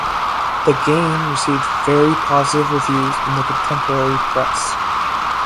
The game received very positive reviews in the contemporary press.